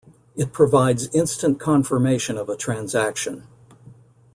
It provides instant confirmation of a transaction.